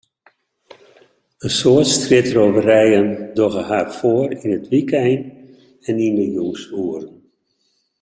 In soad strjitrôverijen dogge har foar yn it wykein en yn de jûnsoeren.